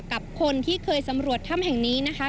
กับคนที่เคยสำรวจถ้ำแห่งนี้นะคะ